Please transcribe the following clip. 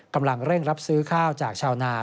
กำลังเร่งรับซื้อข้าวจากชาวนา